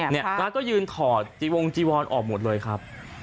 น้าก็ยืนถอดจีวงจีวอนออกหมดเลยครับ